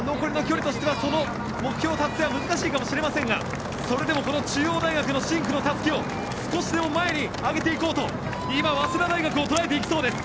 その目標達成は難しいかもしれませんがそれでも中央大学の深紅のたすきを少しでも前に上げていこうと今、早稲田大学を捉えていきそうです。